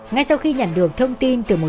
ngay sau khi nhận được thông tin từ một